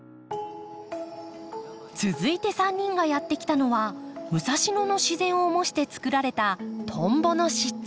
続いて３人がやって来たのは武蔵野の自然を模してつくられたトンボの湿地。